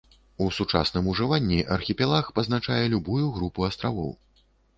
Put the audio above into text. У сучасным ужыванні архіпелаг пазначае любую групу астравоў.